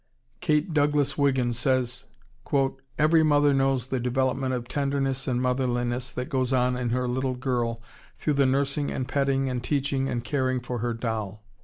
Kate Douglas Wiggin says, "Every mother knows the development of tenderness and motherliness that goes on in her little girl through the nursing and petting and teaching and caring for her doll."